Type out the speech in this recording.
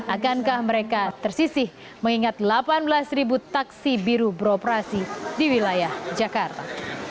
akankah mereka tersisih mengingat delapan belas taksi biru beroperasi di wilayah jakarta